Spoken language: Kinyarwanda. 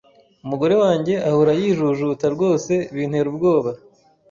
Umugore wanjye ahora yijujuta rwose bintera ubwoba.